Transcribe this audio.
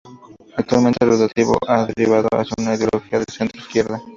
Actualmente el rotativo ha derivado hacia una ideología de centro izquierda.